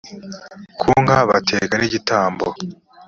ku nka bateka n igitambo